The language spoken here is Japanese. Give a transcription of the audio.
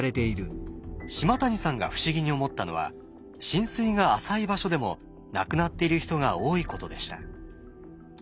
島谷さんが不思議に思ったのは浸水が浅い場所でも亡くなっている人が多いことでした。